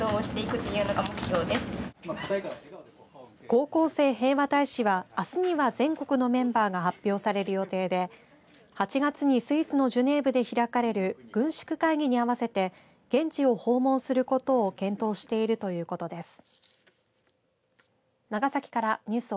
高校生平和大使はあすには全国のメンバーが発表される予定で８月にスイスのジュネーブで開かれる軍縮会議に合わせて現地を訪問することを検討しているということです。